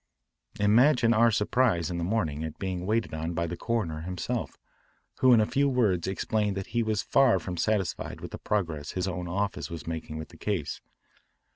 Imagine our surprise in the morning at being waited on by the coroner himself, who in a few words explained that he was far from satisfied with the progress his own office was making with the case.